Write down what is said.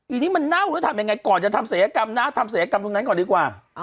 อือมันน่าวก็แทบยังไงก่อนจะทำเสียกรรมหน้าทำเสียกรรมตรงนั้นก่อนดีกว่า